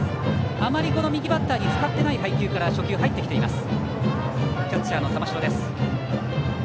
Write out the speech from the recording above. あまり右バッターに使っていない配球から初球、入ってきています。